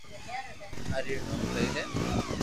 ھري رو نوم لئي جي